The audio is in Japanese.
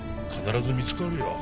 必ず見つかるよ。